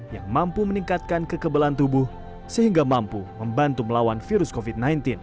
yang mampu meningkatkan kekebalan tubuh sehingga mampu membantu melawan virus covid sembilan belas